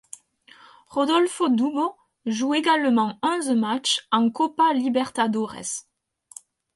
Rodolfo Dubó joue également onze matchs en Copa Libertadores.